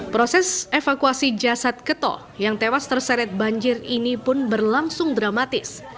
proses evakuasi jasad keto yang tewas terseret banjir ini pun berlangsung dramatis